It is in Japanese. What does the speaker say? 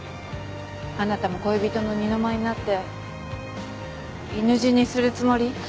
あなたも恋人の二の舞になって犬死にするつもり？